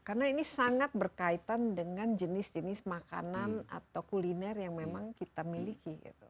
karena ini sangat berkaitan dengan jenis jenis makanan atau kuliner yang memang kita miliki